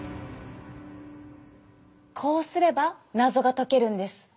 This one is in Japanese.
こうすれば謎が解けるんです！